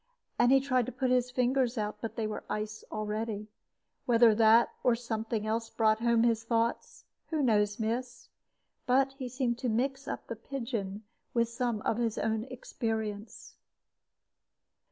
And he tried to put his fingers out, but they were ice already. Whether that or something else brought home his thoughts, who knows, miss? but he seemed to mix the pigeon up with some of his own experience.